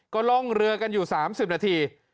ก็ล่องเรือกันอยู่๓๐นาที